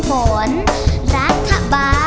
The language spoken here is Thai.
ยังเพราะความสำคัญ